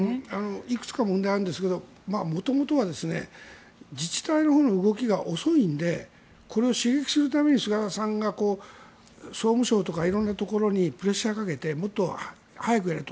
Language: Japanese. いくつか問題はあるんですが元々は自治体のほうの動きが遅いのでこれを刺激するために菅さんが総務省とか色んなところにプレッシャーをかけてもっと早くやれと。